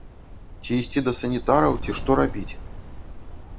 Ці ісці да санітараў, ці што рабіць?